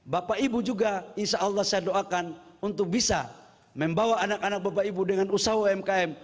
bapak ibu juga insya allah saya doakan untuk bisa membawa anak anak bapak ibu dengan usaha umkm